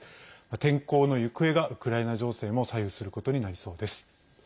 天候の行方がウクライナ情勢も左右することになりそうです。